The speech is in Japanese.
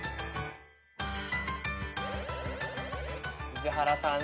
宇治原さん